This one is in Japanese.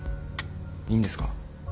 いいんですか？